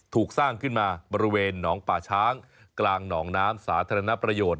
ถูกสร้างขึ้นมาบริเวณหนองป่าช้างกลางหนองน้ำสาธารณประโยชน์